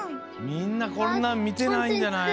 みんなこんなんみてないんじゃない？